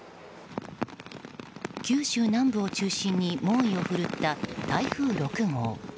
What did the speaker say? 九州南部を中心に猛威を振るった台風６号。